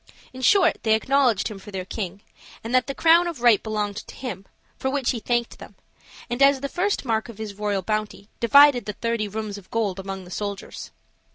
In short, they acknowledged him for their king, and that the crown of right belonged to him, for which he thanked them, and, as the first mark of his royal bounty, divided the thirty rooms of gold among the soldiers.